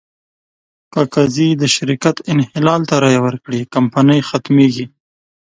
که قاضي د شرکت انحلال ته رایه ورکړي، کمپنۍ ختمېږي.